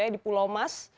di pulau mas